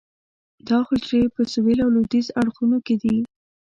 دا حجرې په سویل او لویدیځ اړخونو کې دي.